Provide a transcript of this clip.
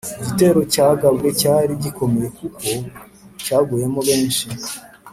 Igitero cyagabwe cyari gikomeye kuko cyaguyemo benshi